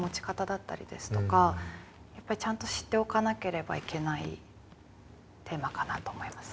やっぱりちゃんと知っておかなければいけないテーマかなと思いますね。